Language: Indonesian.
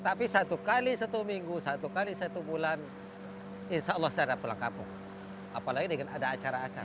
tapi satu kali satu minggu satu kali satu bulan insya allah saya ada pulang kampung apalagi dengan ada acara acara